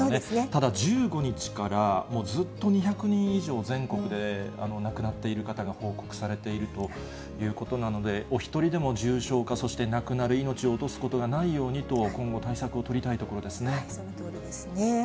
ただ１５日から、もうずっと２００人以上、全国で亡くなっている方が報告されているということなので、お一人でも重症化、そして亡くなる命を落とすことがないようにと、そのとおりですね。